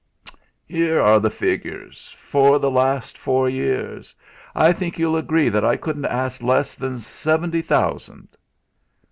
"Here are the figures for the last four years. I think you'll agree that I couldn't ask less than seventy thousand."